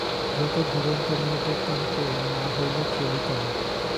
যত দুরন্ত মেয়েদের তাহাকে না হইলে চলিত না।